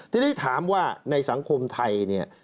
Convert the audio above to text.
ที่ได้ถามว่าในสังคมไทย